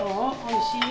おいしい？